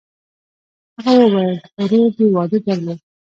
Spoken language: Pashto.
هغه وویل: «ورور دې واده درلود؟»